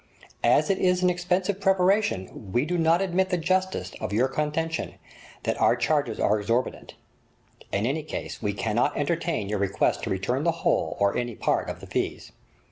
As it is an expensive preparation, we do not admit the justice of your contention that our charges are exorbitant. In any case we cannot entertain your request to return the whole or any part of the fees.